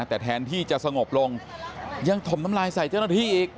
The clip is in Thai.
แต่แทนที่จะสงบลงยังถมน้ำลายใส่เจ้าหน้าที่อีก